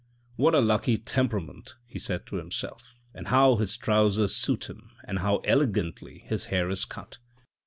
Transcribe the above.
" What a lucky temperament," he said to himself, " and how his trousers suit him and how elegantly his hair is cut